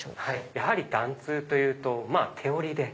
やはり緞通というと手織りで。